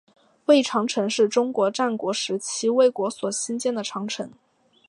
魏长城是中国战国时期魏国所兴建的长城。